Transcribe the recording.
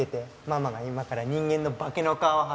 ママが今から人間の化けの皮を剥ぐよ。